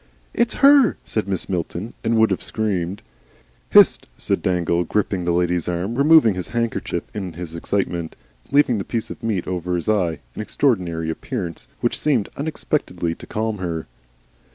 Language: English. "It's her!" said Mrs. Milton, and would have screamed. "Hist!" said Dangle, gripping the lady's arm, removing his handkerchief in his excitement, and leaving the piece of meat over his eye, an extraordinary appearance which seemed unexpectedly to calm her.